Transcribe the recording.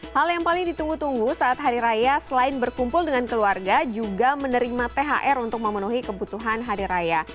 hal yang paling ditunggu tunggu saat hari raya selain berkumpul dengan keluarga juga menerima thr untuk memenuhi kebutuhan hari raya